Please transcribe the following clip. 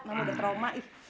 mama udah trauma